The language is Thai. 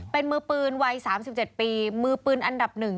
เป็นมือปืนวัย๓๗ปีมือปืนอันดับ๑